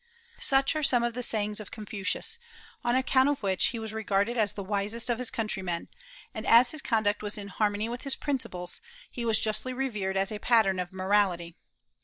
Such are some of the sayings of Confucius, on account of which he was regarded as the wisest of his countrymen; and as his conduct was in harmony with his principles, he was justly revered as a pattern of morality.